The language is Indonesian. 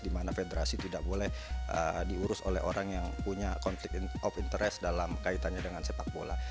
dimana federasi tidak boleh diurus oleh orang yang punya konflik of interest dalam kaitannya dengan sepak bola